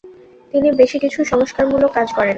তিনি বেশি কিছু সংস্কারমূলক কাজ করেন।